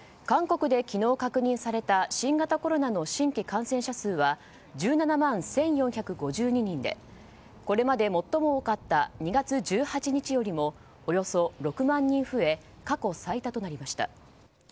韓国で昨日確認された新型コロナの新規感染者数は１７万１４５２人でこれまで最も多かった２月１８日よりもおよそ６万人増え過去最多となりました。